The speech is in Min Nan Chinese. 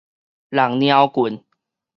弄貓棍